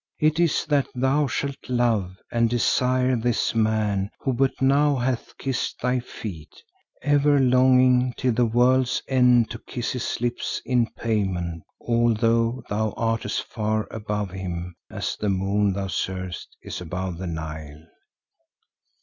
It is that thou shalt love and desire this man who but now hath kissed thy feet, ever longing till the world's end to kiss his lips in payment, although thou art as far above him as the moon thou servest is above the Nile.